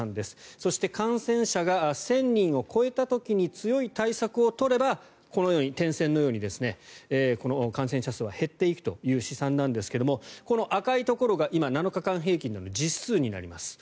そして感染者が１０００人を超えた時に強い対策を取ればこの点線のようにこの感染者数は減っていくという試算なんですがこの赤いところが今７日間平均の実数になります。